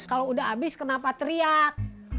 kalau udah habis kenapa teriak